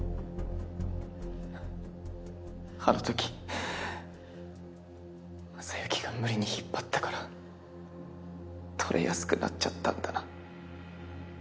あのとき征行が無理に引っ張ったから取れやすくなっちゃったんだな。